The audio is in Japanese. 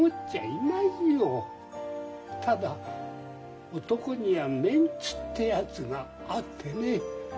ただ男にはメンツってやつがあってね。